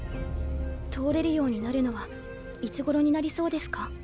通れるようになるのはいつ頃になりそうですか？